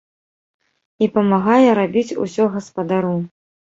І памагае рабіць усё гаспадару.